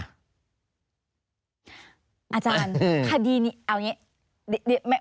อาจารย์คดีนี้เอาอย่างนี้